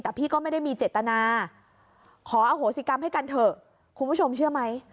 แต่พี่ก็ไม่ได้มีเจตนาขออโหสิกรรมให้กันเถอะคุณผู้ชมเชื่อไหม